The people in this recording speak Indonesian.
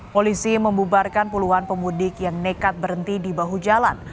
polisi membubarkan puluhan pemudik yang nekat berhenti di bahu jalan